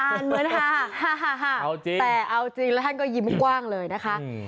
อ่านเหมือนห้าแต่เอาจริงแล้วท่านก็ยิ้มกว้างเลยนะคะอืม